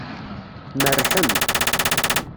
Tmerrḥem.